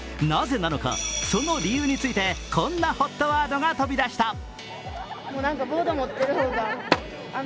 なぜなのか、その理由について、こんなＨＯＴワードが飛び出した。